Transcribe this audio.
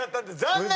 残念！